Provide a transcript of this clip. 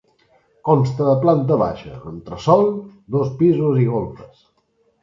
Consta de planta baixa, entresòl, dos pisos i golfes.